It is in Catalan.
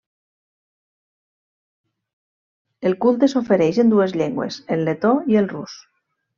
El culte s'ofereix en dues llengües el letó i el rus.